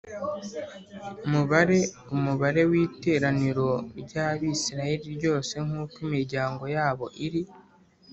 Mubare umubare w’iteraniro ry’Abisirayeli ryose nk’uko imiryango yabo iri